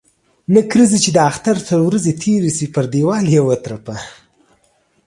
نکريزي چې د اختر تر ورځي تيري سي ، پر ديوال يې و ترپه.